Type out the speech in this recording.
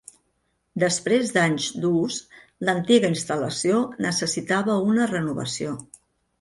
Després d'anys d'ús, l'antiga instal·lació necessitava una renovació.